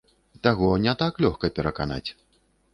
Таго не так лёгка пераканаць.